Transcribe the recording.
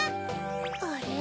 あれ？